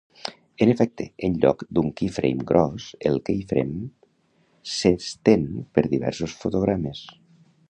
En efecte, en lloc d'un key frame gros, el key frame "s'estén" per diversos fotogrames.